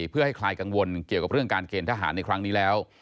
เพื่อให้คลายกังวลเกี่ยวกับเรื่องการเกณฑ์ทหารในครั้งนี้แล้ว